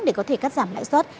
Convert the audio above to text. để có thể cắt giảm lãi suất